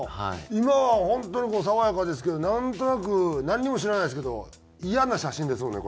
今は本当に爽やかですけどなんとなくなんにも知らないですけどイヤな写真ですもんね